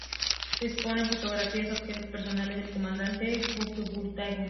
Se exponen fotografías y objetos personales del comandante Julio Buitrago.